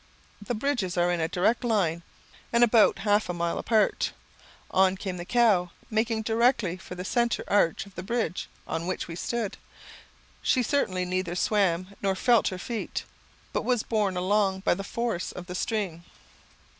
The bridges are in a direct line, and about half a mile apart. On came the cow, making directly for the centre arch of the bridge on which we stood. She certainly neither swam, nor felt her feet, but was borne along by the force of the stream.